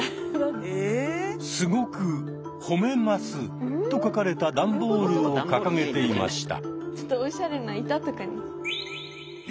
「すごくほめます」と書かれた段ボールを掲げていました。